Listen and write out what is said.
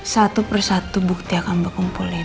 satu persatu bukti akan bekumpulin